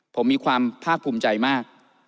ผมมีความภาคภูมิใจมาก